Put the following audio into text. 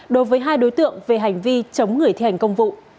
đối với hai đối tượng về hành vi chống người thi hành công vụ